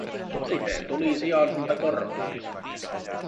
Siten tuli sian hinta korvatuksi.